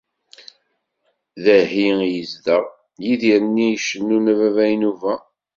Dahi i yezdeɣ Yidir-nni i icennun a Baba Inuba.